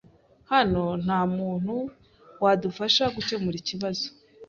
Hano nta muntu wadufasha gukemura ikibazo .